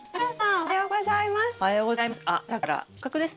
おはようございます！